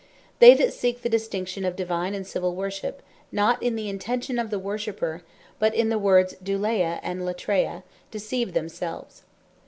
They that seek the distinction of Divine and Civill Worship, not in the intention of the Worshipper, but in the Words douleia, and latreia, deceive themselves.